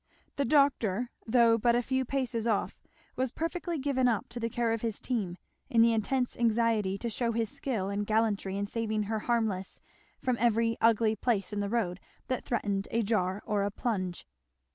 The doctor though but a few paces off was perfectly given up to the care of his team, in the intense anxiety to shew his skill and gallantry in saving her harmless from every ugly place in the road that threatened a jar or a plunge.